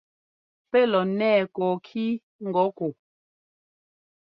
Pɛ́ lɔ nɛɛ kɔɔkí ŋgɔ̌ ku?